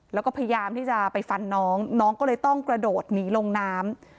แล้วก็พยายามที่จะไปฟันน้องน้องก็เลยต้องกระโดดหนีลงน้ำ